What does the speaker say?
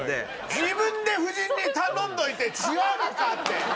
自分で夫人に頼んどいて違うのかって。